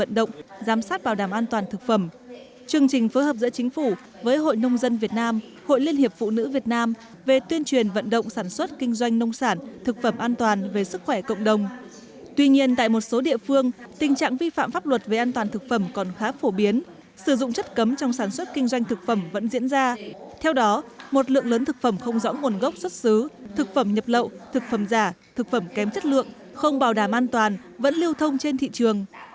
trong sản xuất kinh doanh thực phẩm vẫn diễn ra theo đó một lượng lớn thực phẩm không rõ nguồn gốc xuất xứ thực phẩm nhập lậu thực phẩm giả thực phẩm kém chất lượng không bảo đảm an toàn vẫn lưu thông trên thị trường